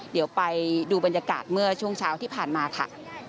เดี๋ยวไปดูบรรยากาศเมื่อช่วงเช้าที่ผ่านมาค่ะ